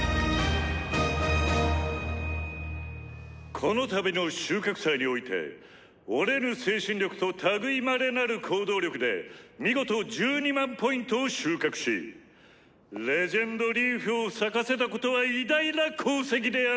「この度の収穫祭において折れぬ精神力と類いまれなる行動力で見事１２００００Ｐを収穫し『伝説のリーフ』を咲かせたことは偉大な功績である。